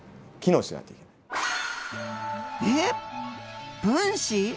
えっ分子？